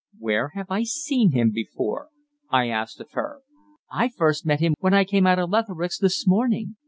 "Where have you seen him before?" I asked of her. "I first met him when I came out of Lentheric's this morning.